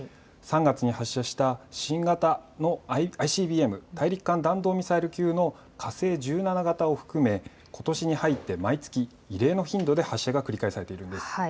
３月に発射した新型のＩＣＢＭ・大陸間弾道ミサイル級の火星１７型を含めことしに入って毎月、異例の頻度で発射が繰り返されています。